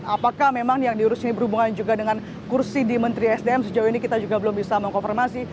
apakah memang yang diurus ini berhubungan juga dengan kursi di menteri sdm sejauh ini kita juga belum bisa mengkonfirmasi